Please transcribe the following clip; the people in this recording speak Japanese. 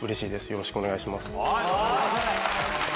よろしくお願いします。